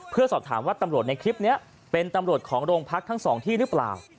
เพื่อสอบถามว่าตำรวจในคลิปนี้เป็นตำรวจของโรงพักทั้งสองที่หรือเปล่า